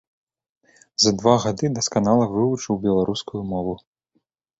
За два гады дасканала вывучыў беларускую мову.